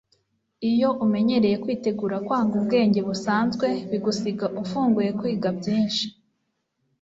iyo umenyereye kwitegura kwanga ubwenge busanzwe, bigusiga ufunguye kwiga byinshi